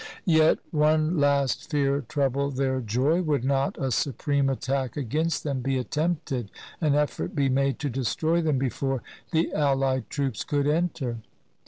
Yet one last fear troubled their joy. Would not a supreme attack against them be attempted, an effort be made to destroy them before the allied troops could enter?